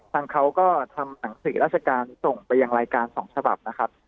ทางเขาก็ทำหนังสือราชการส่งไปยังรายการสองฉบับนะครับ